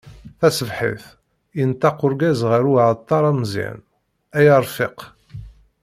Tasebḥit, yenṭeq urgaz γer uεeṭṭar ameẓyan: Ay arfiq.